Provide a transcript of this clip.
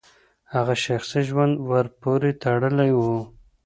هغه شخصي ژوند ورپورې تړلی و.